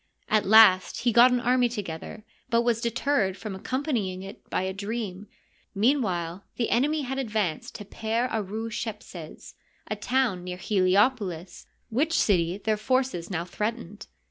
At last he got an army together, but was deterred from accompanying it by a dream. Meanwhile the enemy had advanced to Per ArU'ShepseSt a. town near Heliopohs, which city their forces now threatened.